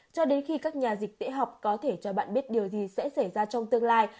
cho đến khi các nhà dịch tễ học có thể cho bạn biết điều gì sẽ xảy ra trong tương lai